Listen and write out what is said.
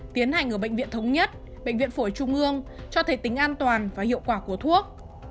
tiến hành ở bệnh viện thống nhất bệnh viện phổi trung ương cho thấy tính an toàn và hiệu quả của thuốc